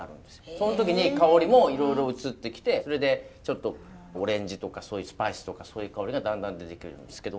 この時に香りもいろいろ移ってきてそれでちょっとオレンジとかそういうスパイスとかそういう香りがだんだん出てくるんですけど。